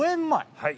はい。